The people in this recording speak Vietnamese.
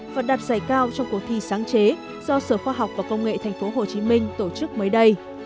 và đạt giải cao trong cuộc thi sáng chế do sở khoa học và công nghệ tp hcm tổ chức mới đây